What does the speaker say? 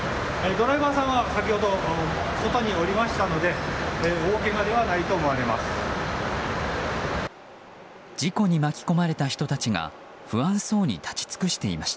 ドライバーさんは先ほど外におりましたので大けがではないと思われます。